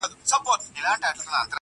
o په مرگ ئې و نيسه، په تبه ئې راضي که.